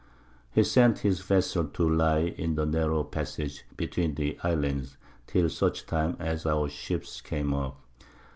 He sent his Vessel to lie in the narrow Passage, between the Islands, till such Time as our Ships came up.